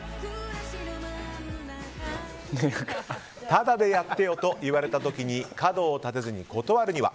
タダでやってよと言われた時に角を立てずに断るには。